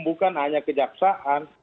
bukan hanya kejaksaan